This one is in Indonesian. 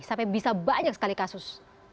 sampai bisa banyak sekali kasus